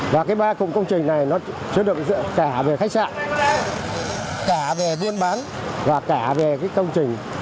và cái ba cục công trình này nó chưa được dựa cả về khách sạn cả về viên bán và cả về công trình